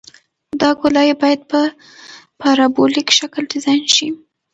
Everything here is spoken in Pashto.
دا ګولایي باید په پارابولیک شکل ډیزاین شي